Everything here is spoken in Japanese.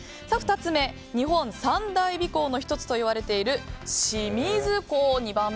２つ目、日本三大美港の１つと言われている清水港。